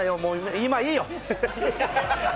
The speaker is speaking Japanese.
今、いいよ！